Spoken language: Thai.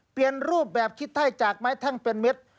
เปลี่ยนรูปแบบคิดไพ่จากไม้แท่งเป็นเม็ด